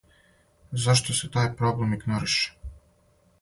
Зашто се тај проблем игнорише?